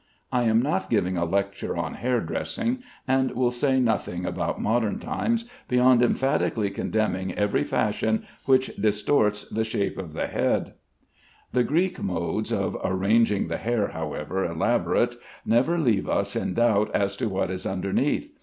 I am not giving a lecture on hair dressing, and will say nothing about modern times, beyond emphatically condemning every fashion which distorts the shape of the head. The Greek modes of arranging the hair, however elaborate, never leave us in doubt as to what is underneath.